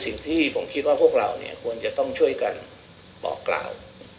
สิ่งที่ผมคิดว่าพวกเราเนี่ยควรจะต้องช่วยกันบอกกล่าว